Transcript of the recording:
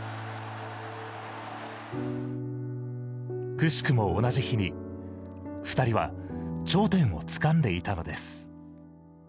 奇しくも同じ日に２人は頂点をつかんでいたのです。